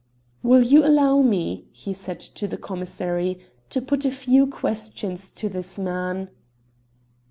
"Will you allow me," he said to the commissary, "to put a few questions to this man?"